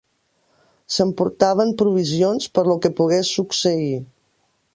S'emportaven provisions per lo que pogués succeir